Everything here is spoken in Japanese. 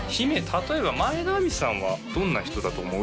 例えば前田亜美さんはどんな人だと思う？